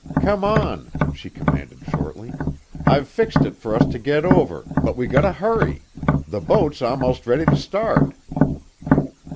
"Come on," she commanded shortly. "I've fixed it for us to get over, but we gotta hurry. The boat's a'most ready to start."